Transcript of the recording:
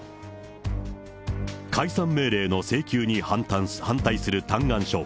解散命令の請求に反対する嘆願書。